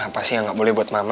apa sih yang gak boleh buat mama